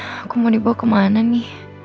aku mau dibawa kemana nih